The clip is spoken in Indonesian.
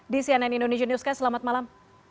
di cnn indonesia newscast selamat malam